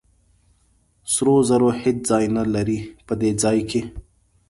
سرو زرو هېڅ ځای نه لري په دې ځای کې.